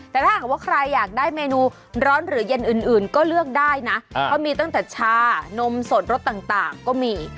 แต่ถ้าหากว่าใครอยากได้เมนูร้อนหรือเย็นอื่นก็เลือกได้นะเขามีตั้งแต่ชานมสดรสต่างก็มี